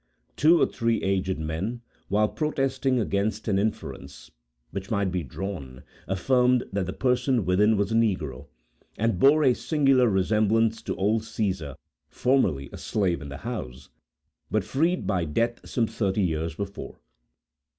Two or three aged men, while protesting against an inference, which might be drawn, affirmed that the person within was a negro, and bore a singular resemblance to old Caesar, formerly a slave in the house, but freed by death some thirty years before.